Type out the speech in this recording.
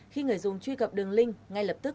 khi người dùng truy cập đường link ngay lập tức